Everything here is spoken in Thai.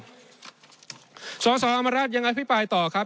สวัสดีสวัสดีอำมาตย์รัฐยังอภิปรายต่อครับ